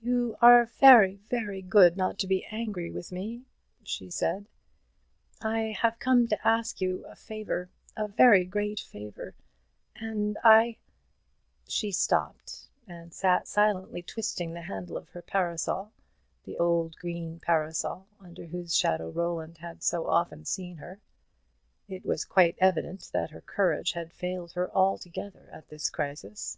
"You are very, very good not to be angry with me," she said; "I have come to ask you a favour a very great favour and I " She stopped, and sat silently twisting the handle of her parasol the old green parasol under whose shadow Roland had so often seen her. It was quite evident that her courage had failed her altogether at this crisis.